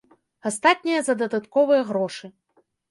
Астатняе за дадатковыя грошы.